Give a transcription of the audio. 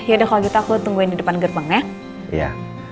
yaudah kalau gitu aku tungguin di depan gerbang ya